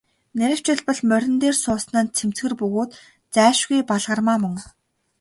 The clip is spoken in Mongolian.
Нарийвчилбал, морин дээр суусан нь цэмцгэр бөгөөд зайлшгүй Балгармаа мөн.